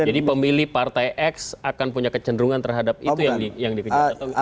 jadi pemilih partai x akan punya kecenderungan terhadap itu yang dikejar